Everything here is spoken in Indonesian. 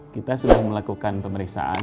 kita sudah melakukan pemeriksaan